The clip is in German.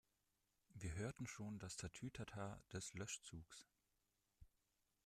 Wir hörten schon das Tatütata des Löschzugs.